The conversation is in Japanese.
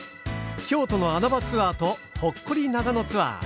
京都の穴場ツアーとほっこり長野ツアー。